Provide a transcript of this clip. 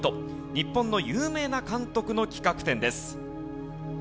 日本の有名な監督の企画展です。